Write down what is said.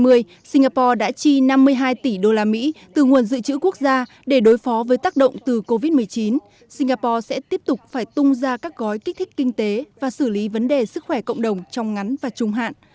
năm hai nghìn hai mươi singapore đã chi năm mươi hai tỷ usd từ nguồn dự trữ quốc gia để đối phó với tác động từ covid một mươi chín singapore sẽ tiếp tục phải tung ra các gói kích thích kinh tế và xử lý vấn đề sức khỏe cộng đồng trong ngắn và trung hạn